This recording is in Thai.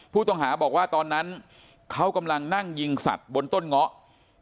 ผู้ต้องหาบอกว่าตอนนั้นเขากำลังนั่งยิงสัตว์บนต้นเงาะ